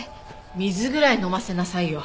水ぐらい飲ませなさいよ。